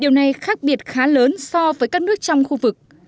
điều này khác biệt khá lớn so với các nước trong khu vực